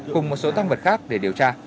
cùng một số tăng vật khác để điều tra